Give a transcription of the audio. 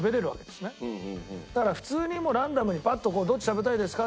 だから普通にもうランダムにパッと「どっち食べたいですか？」